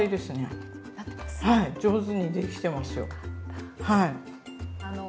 上手にできてますよ。よかった。